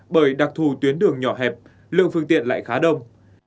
bởi đặc thù tuyến đường nhỏ hẹp lượng phương tiện lại khá đông